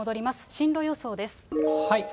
進路予想です。